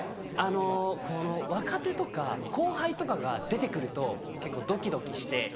あのこの若手とか後輩とかが出て来ると結構ドキドキして。